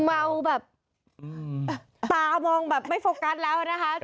เมาแบบตามองแบบไม่โฟกัสแล้วนะคะ